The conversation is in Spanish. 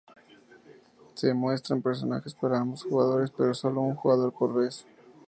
Se muestran personajes para ambos jugadores, pero solo un jugador por vez.